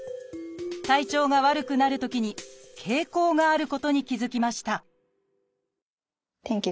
体調が悪くなるときに傾向があることに気付きました